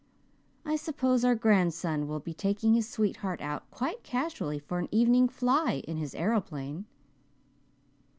I suppose our grandson will be taking his sweetheart out quite casually for an evening 'fly' in his aeroplane."